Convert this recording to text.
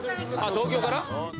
東京から？